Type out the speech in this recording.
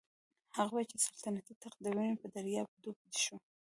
هغه وايي چې سلطنتي تخت د وینو په دریاب ډوب شو.